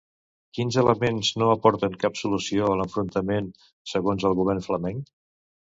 Quins elements no aporten cap solució a l'enfrontament, segons el govern flamenc?